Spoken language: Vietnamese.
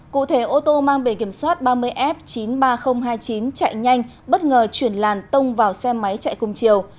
cụ thể ô tô mang bề kiểm soát ba mươi f chín mươi ba nghìn hai mươi chín chạy nhanh bất ngờ chuyển làn tông vào xe máy chạy cùng chiều